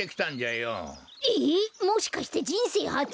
ええっもしかしてじんせいはつ？